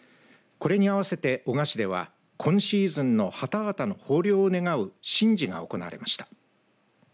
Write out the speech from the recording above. これに合わせて男鹿市では今シーズンのハタハタの豊漁を願う神事が行われました。